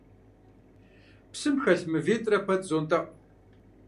Псым хэлъ мывитӀрэ пэт зонтӀэӀу.